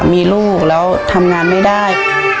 มีลูกแล้วทำงานไม่ได้